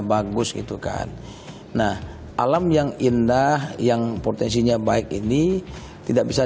yang baik dan si alamnya bagus itu kan nah alam yang indah yang potensinya baik ini tidak bisa